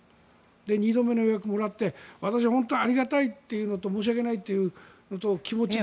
２度目の予約をもらって私、本当にありがたいというのと申し訳ないという気持ちで。